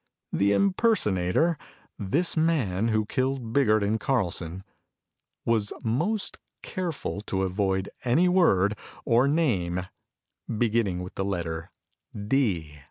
The impersonator, this man who killed Biggert and Carlson, was most careful to avoid any word or name beginning with the letter 'D.'